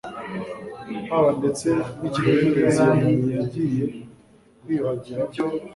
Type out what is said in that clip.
haba ndetse n'ikidendezi iyo mpumyi yagiye kwiyuhagiriramo,